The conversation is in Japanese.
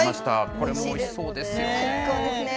これもおいしそうですね。